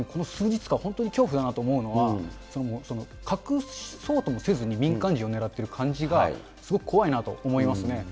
特にこの数日間、本当に恐怖だなと思うのは、隠そうともせずに民間人を狙っている感じが、すごく怖いなと思いますね。